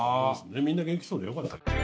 みんな元気そうでよかった。